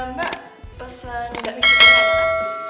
mbak pesen juga miskinnya lah